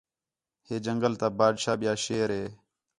ہِے جنگل تا بادشاہ ٻِیا شیر ہِے